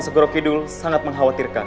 segoro kidul sangat mengkhawatirkan